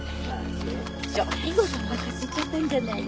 西郷さんがおなかすいちゃったんじゃないの？